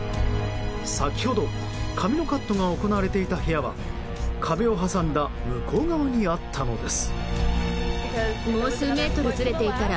先ほど、髪のカットが行われていた部屋は壁を挟んだ向こう側にあったのです。